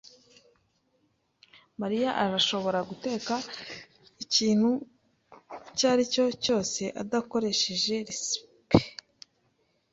Mariya arashobora guteka ikintu cyose adakoresheje resept.